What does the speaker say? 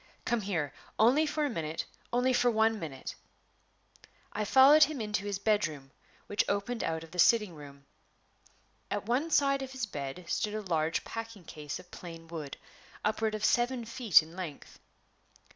Come here only for a minute only for one minute!" I followed him into his bedroom, which opened out of the sitting room. At one side of his bed stood a large packing case of plain wood, upward of seven feet in length.